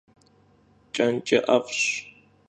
Ç'ekhine 'ef'ş.